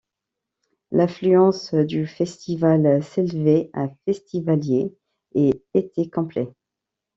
L'affluence du festival s'élevait à festivaliers et était complet.